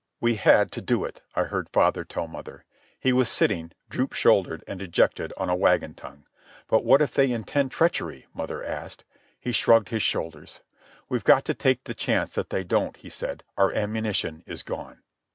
"We had to do it," I heard father tell mother. He was sitting, droop shouldered and dejected, on a wagon tongue. "But what if they intend treachery?" mother asked. He shrugged his shoulders. "We've got to take the chance that they don't," he said. "Our ammunition is gone."